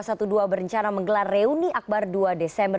persaudaraan alumni dua ratus dua belas berencana menggelar reuni akbar dua desember